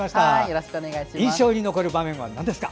印象に残る場面はなんですか？